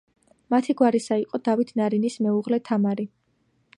მათი გვარისა იყო დავით ნარინის მეუღლე თამარი.